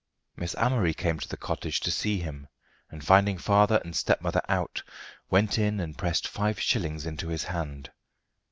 Miss Amory came to the cottage to see him, and finding father and stepmother out, went in and pressed five shillings into his hand.